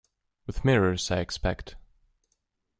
With mirrors, I expect.